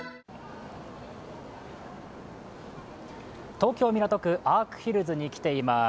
東京・港区、アークヒルズに来ています。